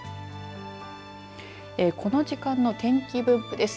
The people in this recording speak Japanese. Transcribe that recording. この時間の天気分布です。